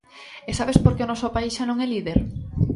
E sabes por que o noso País xa non é líder?